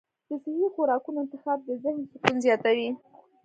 د صحي خوراکونو انتخاب د ذهن سکون زیاتوي.